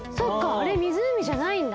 あれ湖じゃないんだ。